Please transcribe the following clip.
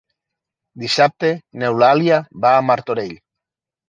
Dissabte n'Eulàlia va a Martorell.